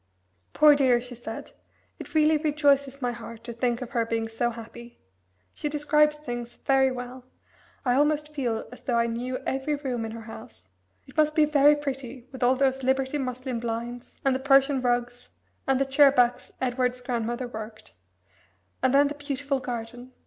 "Poor dear!" she said. "It really rejoices my heart to think of her being so happy. She describes things very well. I almost feel as though I knew every room in her house; it must be very pretty with all those Liberty muslin blinds, and the Persian rugs, and the chair backs Edward's grandmother worked and then the beautiful garden.